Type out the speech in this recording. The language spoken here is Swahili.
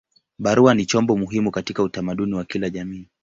Barua ni chombo muhimu katika utamaduni wa kila jamii.